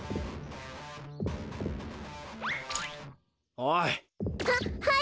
おい。